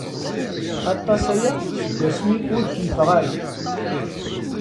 Aṭas aya seg asmi ur keyyfeɣ ara.